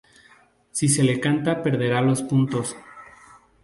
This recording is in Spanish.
Si se le canta perderá los puntos.